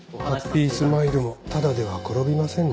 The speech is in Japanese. ハッピースマイルもただでは転びませんね。